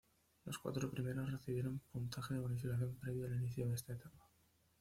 Los cuatro primeros recibieron puntaje de bonificación previo al inicio de esta etapa.